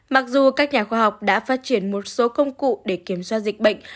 mặc dù các nhà khoa học đã phát triển một số công cụ để kiểm soát dịch bệnh